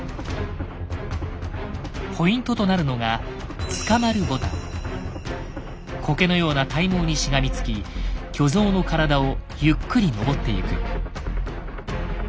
ポイントとなるのがこけのような体毛にしがみつき巨像の体をゆっくり登っていく。